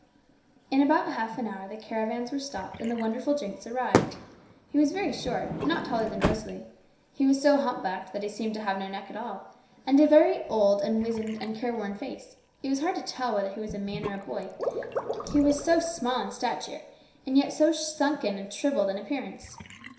In about half an hour the caravans were stopped, and the wonderful Jinx arrived. He was very short, not taller than Rosalie; he was so humpbacked, that he seemed to have no neck at all; and he had a very old and wizened and careworn face. It was hard to tell whether he was a man or a boy, he was so small in stature, and yet so sunken and shrivelled in appearance.